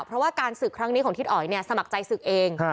เพราะว่าการสืบครั้งนี้ของทิศอ๋อยเนี่ยสมัครใจสืบเอง